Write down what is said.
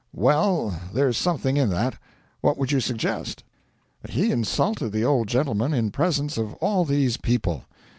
'Well, there's something in that. What would you suggest?' 'He insulted the old gentleman in presence of all these people.